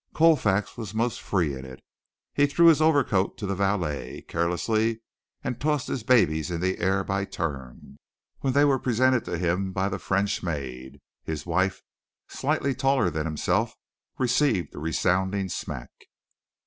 Colfax was most free in it. He threw his overcoat to the valet carelessly and tossed his babies in the air by turn, when they were presented to him by the French maid. His wife, slightly taller than himself, received a resounding smack.